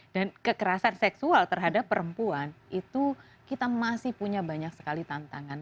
dan kekerasan seksual terhadap perempuan itu kita masih punya banyak sekali tantangan